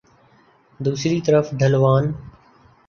دوسری طرف ڈھلوان